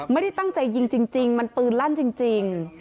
ไม่ได้ตั้งใจยิงจริงมันปืนลั่นจริง